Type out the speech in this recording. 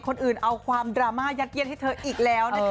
คนอื่นเอาความดราม่ายัดเยียนให้เธออีกแล้วนะคะ